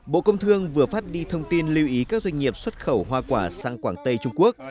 bộ công thương vừa phát đi thông tin lưu ý các doanh nghiệp xuất khẩu hoa quả sang quảng tây trung quốc